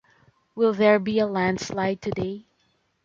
Will there be a landslide today?